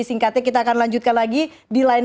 singkatnya kita akan lanjutkan lagi di lain